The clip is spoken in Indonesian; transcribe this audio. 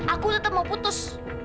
aku tetep mau putus